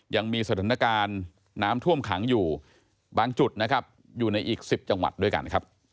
ยังมีสถานการณ์น้ำท่วมขังอยู่บางจุดนะครับอยู่ในอีก๑๐จังหวัดด้วยกันครับ